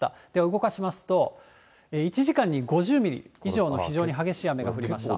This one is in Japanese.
動かしますと、１時間に５０ミリ以上の非常に激しい雨が降りました。